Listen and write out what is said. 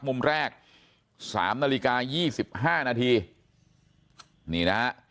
มุมแรก๓นาฬิกา๒๕นาที